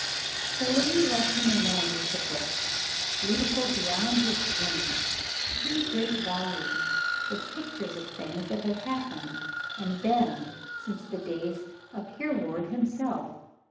The lady left him alone with a book, beautiful beyond his dreams three great volumes with pictures of things that had happened and been since the days of Hereward himself.